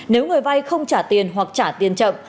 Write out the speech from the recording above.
nếu người vay không trả tiền hoặc trả tiền chậm